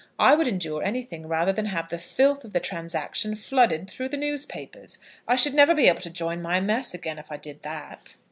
I would endure anything rather than have the filth of the transaction flooded through the newspapers. I should never be able to join my mess again if I did that."